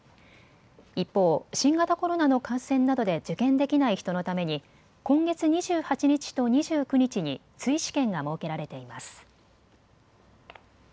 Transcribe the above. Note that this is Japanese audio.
一方、新型コロナの感染などで受験できない人のために今月２８日と２９日に追試験が設けられています。